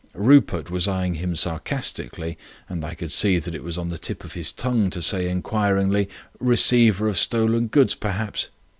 Rupert was eyeing him sarcastically, and I could see that it was on the tip of his tongue to say, inquiringly, "Receiver of stolen goods, perhaps."